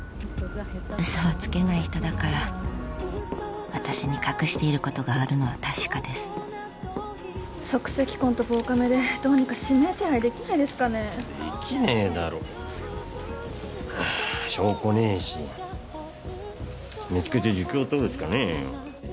嘘はつけない人だから私に隠していることがあるのは確かです足跡痕と防カメでどうにか指名手配できないですかねできねえだろはあ証拠ねえし見つけて自供とるしかねえよ